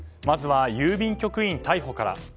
まずは郵便局員逮捕から。